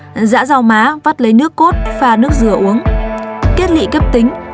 rau má năm mươi g nước dừa non một cốc dã rau má vắt lấy nước cốt pha nước dừa uống kết lị cấp tính